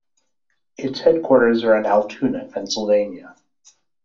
Its headquarters are in Altoona, Pennsylvania.